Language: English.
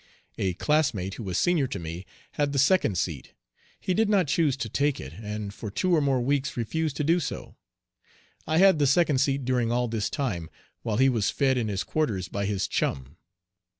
A classmate, who was senior to me, had the second seat. He did not choose to take it, and for two or more weeks refused to do so. I had the second seat during all this time, while he was fed in his quarters by his chum.